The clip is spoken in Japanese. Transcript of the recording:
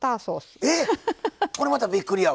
これまたびっくりやわ。